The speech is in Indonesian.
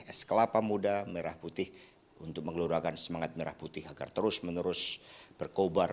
es kelapa muda merah putih untuk mengeluarkan semangat merah putih agar terus menerus berkobar